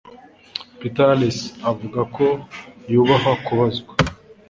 Peter Alliss avuga ko yubahwa kubazwa